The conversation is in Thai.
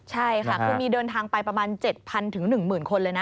ใช่ค่ะคือมีเดินทางไปประมาณ๗๐๐๑๐๐คนเลยนะ